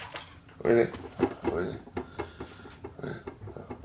おいで。